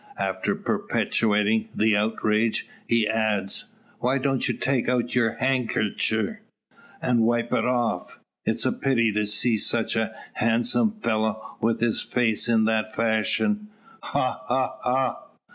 After perpetrating the outrage, he adds: "Why don't ye take out your handkercher an' wipe it off. It's a pity to see such a handsome fellow wi' his face in that fashion. Ha! ha! ha!"